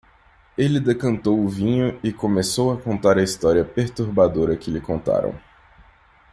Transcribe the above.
Ele decantou o vinho e começou a contar a história perturbadora que lhe contaram.